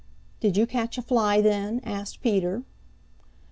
"Did you catch a fly then?" asked Peter.